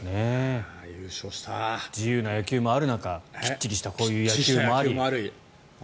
自由な野球もある中きっちりしたこういう野球もあって。